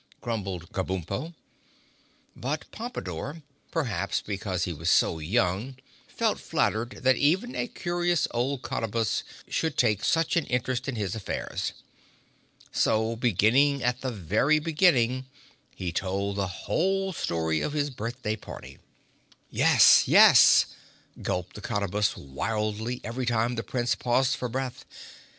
grumbled Kabumpo. But Pompadore, perhaps because he was so young, felt flattered that even a curious old Cottabus should take such an interest in his affairs. So beginning at the very beginning he told the whole story of his birthday party. "Yes, yes," gulped the Cottabus wildly each time the Prince paused for breath.